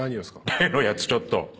例のやつちょっと。